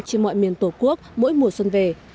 trên mọi miền tổ quốc mỗi mùa xuân về